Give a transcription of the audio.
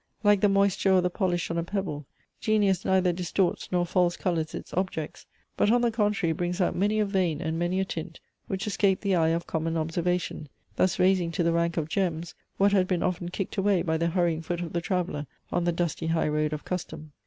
Like the moisture or the polish on a pebble, genius neither distorts nor false colours its objects; but on the contrary brings out many a vein and many a tint, which escape the eye of common observation, thus raising to the rank of gems what had been often kicked away by the hurrying foot of the traveller on the dusty high road of custom.